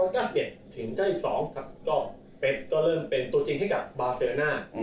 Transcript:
ก็เป๊กก็เริ่มเป็นตัวจริงให้กับบาเซลน่า